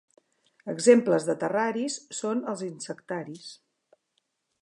Exemples de terraris són els insectaris.